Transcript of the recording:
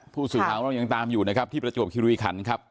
ผู้สื่อข่าวของเรายังตามอยู่นะครับที่ประจวบคิริขันครับ